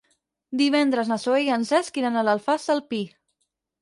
Divendres na Zoè i en Cesc iran a l'Alfàs del Pi.